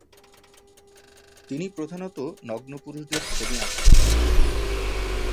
তিনি প্রধানত নগ্ন পুরুষদের ছবি আঁকতেন।